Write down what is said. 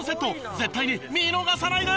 絶対に見逃さないで！